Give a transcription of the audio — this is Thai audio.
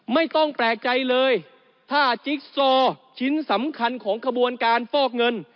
ไม่ต้องแปลกใจเลยถ้าจิ๊กซอชิ้นสำคัญของขบวนการฟอกเงิน